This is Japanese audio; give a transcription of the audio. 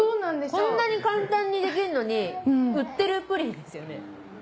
こんなに簡単にできるのに売ってるプリンですよね。